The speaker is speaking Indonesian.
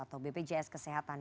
atau bpjs kesehatan